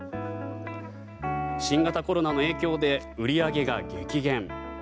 新型コロナの影響で売り上げが激減。